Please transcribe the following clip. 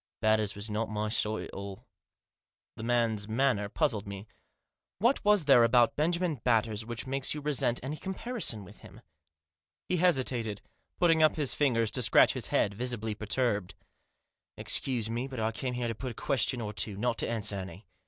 " Batters was not my sort at all." The man's manner puzzled me. "What was there about Benjamin Batters which makes you resent any comparison with him ?" Digitized by Google 206 THE JOSS. He hesitated, putting up his fingers to scratch his head, visibly perturbed. " Excuse me, but I came here to put a question or two, not to answer any.